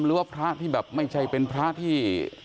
หรือว่าพระที่แบบไม่ใช่เป็นพระที่